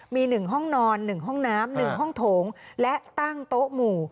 มีหนึ่งห้องนอนหนึ่งห้องน้ำหนึ่งห้องโถงและตั้งโต๊ะหมู่